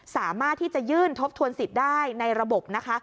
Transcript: สามารถที่จะยื่นทบทวนสิทธิ์ได้ในระบบนะคะ